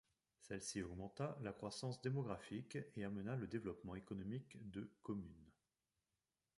Celle-ci augmenta la croissance démographique et amena le développement économique de commune.